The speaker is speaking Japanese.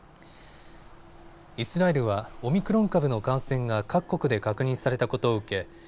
イスラエルはオミクロン株の感染が各国で確認されたことを受け